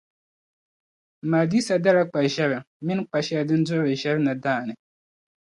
Mma Adisa dala kpaʒεrim mini kpa’ shɛli din duɣiri ʒεri na daani.